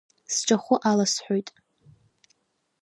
Сҿахәы аласҳәоит.